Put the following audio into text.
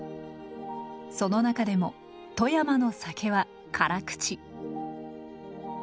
その中でも富山の酒は辛口。